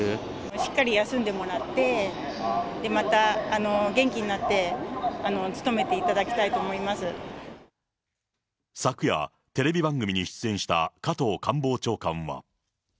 しっかり休んでもらって、また元気になって、昨夜、テレビ番組に出演した加藤官房長官は。